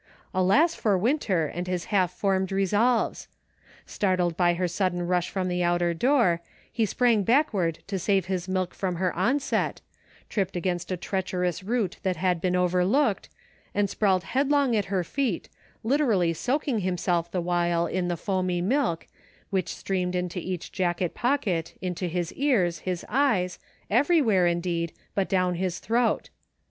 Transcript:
Alas for Winter and his half formed resolves ! Startled by her sudden rush from the outer door, he sprang backward to save his milk from her onset, tripped against a treacherous root that had been overlooked, and sprawled headlong at her feet, literally soaking himself the while in the foamy milk, which streamed into each jacket pocket, into his ears, his eyes, everywhere, indeed, but down his throat.